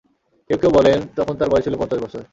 কেউ কেউ বলেন, তখন তার বয়স ছিল পঞ্চাশ বছর।